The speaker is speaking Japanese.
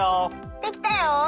できたよ！